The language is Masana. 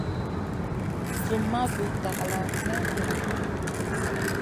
Zumma vi dagalawn may iyran ɗi.